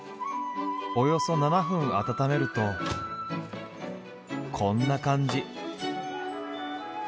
およそ７分温めるとこんな感じ。